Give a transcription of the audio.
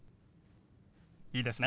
いいですね？